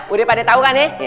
udah pada tahu kan ya